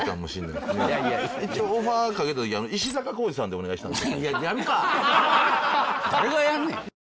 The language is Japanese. いやいや一応オファーかけたときは石坂浩二さんでお願いしたんです